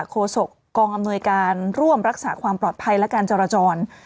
โศกกองอำนวยการร่วมรักษาความปลอดภัยและการจราจร